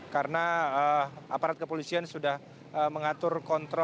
karena aparat kepolisian sudah mengatur kontrak